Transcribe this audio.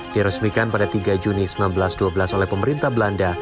diresmikan pada tiga juni seribu sembilan ratus dua belas oleh pemerintah belanda